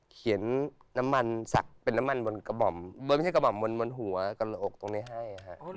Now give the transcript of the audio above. เขียนน้ำมันสักเป็นน้ำมันบนกระหม่อมไม่ใช่กระห่อมบนหัวกระอกตรงนี้ให้